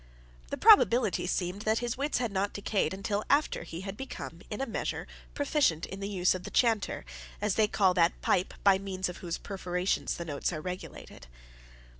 The probability seemed that his wits had not decayed until after he had become in a measure proficient in the use of the chanter, as they call that pipe by means of whose perforations the notes are regulated.